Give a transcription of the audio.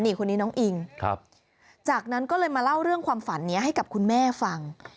นี่คนนี้น้องอิงจากนั้นก็เลยมาเล่าเรื่องความฝันนี้ให้กับคุณแม่ฟัง